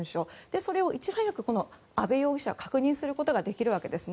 それをいち早く阿部容疑者は確認することができるわけですね。